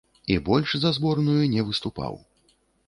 І больш за зборную не выступаў.